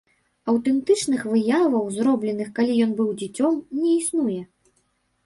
Аўтэнтычных выяваў, зробленых, калі ён быў дзіцём, не існуе.